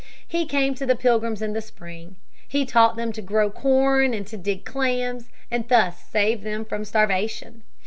He came to the Pilgrims in the spring. He taught them to grow corn and to dig clams, and thus saved them from starvation.